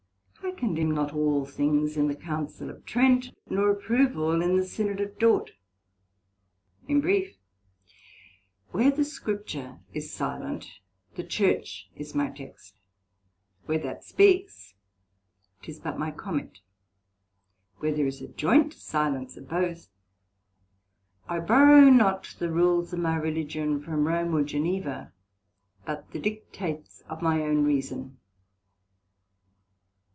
I condemn not all things in the Council of Trent, nor approve all in the Synod of Dort. In brief, where the Scripture is silent, the Church is my Text; where that speaks, 'tis but my Comment: where there is a joynt silence of both, I borrow not the rules of my Religion from Rome or Geneva, but the dictates of my own reason.